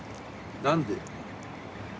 何で。